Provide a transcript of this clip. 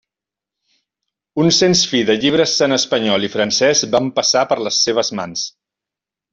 Un sens fi de llibres en espanyol i francès van passar per les seves mans.